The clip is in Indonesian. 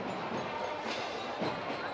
perjalanan ke halaman atau wilayah monas